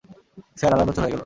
Sir, আড়াই বছর হয়ে গেল।